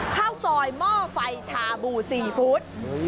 ข้าวซอยหม้อไฟชาบูซีฟู้ด